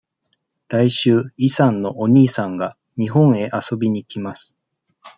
来週イさんのお兄さんが日本へ遊びに来ます。